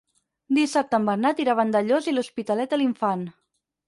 Dissabte en Bernat irà a Vandellòs i l'Hospitalet de l'Infant.